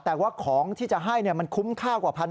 แต่ว่าของที่จะให้มันคุ้มค่ากว่า๑๐๐